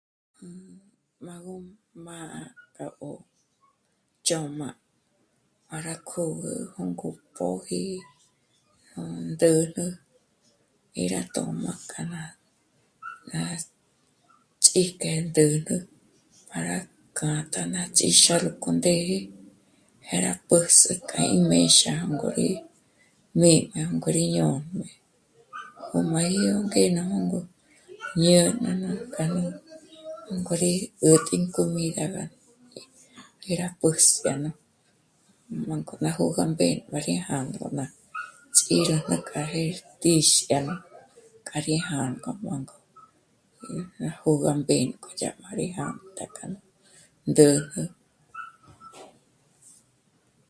M'a gó... m'a k'a 'ó'o chö̌m'a para kö̀gü jônk'o póji... ndä̂jnä y rá tö̌m'a k'a ná... ná ts'íjke ndä̂jnä para k'a ná tíxa rá k'ó ndé'e, jé rá pǜs'ü k'a í méxa ngô rí, mí ná ngô rí ñô'o mbé, ó m'a dyó ngé na jôngo ñê'n'e k'a nú... k'o rí 'ä̀t'i comida dyè rá pǜs'ü 'ǜnä m'ânko ná jó'o k'a mbé m'á rí jándoma ts'í rá kja 'ëre tixano kja rí jângo, jângo jma... ná jó'o kja mbénko dyà m'a rí ndàkja ndä̂jnä